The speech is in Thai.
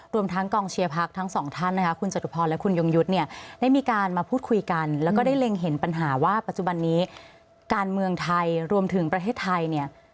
รวมทั้งกองเชียร์พักทั้งสองท่านนะคะคุณจตุพรและคุณยงยุทธ์เนี่ยได้มีการมาพูดคุยกันแล้วก็ได้เล็งเห็นปัญหาว่าปัจจุบันนี้การเมืองไทยรวมถึงประเทศไทยเนี่ย